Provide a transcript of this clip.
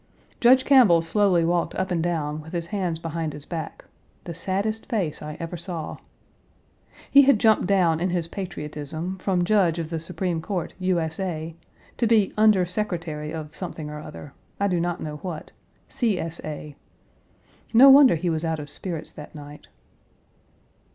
Judge Campbell slowly walked up and down with his hands behind his back the saddest face I ever saw. He had jumped down in his patriotism from Judge of the Supreme Court, U. S. A., to be under secretary of something or other I do not know what C. S. A. No wonder he was out of spirits that night!